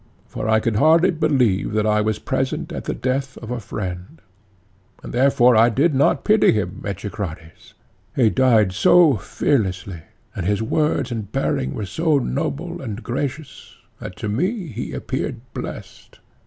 For I could hardly believe that I was present at the death of a friend, and therefore I did not pity him, Echecrates; he died so fearlessly, and his words and bearing were so noble and gracious, that to me he appeared blessed.